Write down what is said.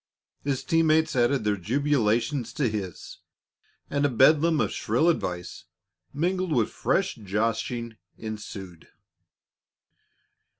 His team mates added their jubilations to his, and a bedlam of shrill advice, mingled with fresh joshing, ensued.